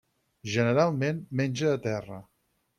Generalment, menja a terra.